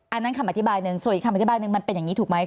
อันนั้นคำอธิบายหนึ่งส่วนอีกคำอธิบายหนึ่งมันเป็นอย่างนี้ถูกไหม